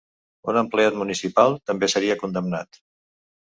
Un empleat municipal també seria condemnat.